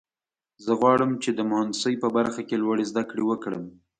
زه غواړم چې د مهندسۍ په برخه کې لوړې زده کړې وکړم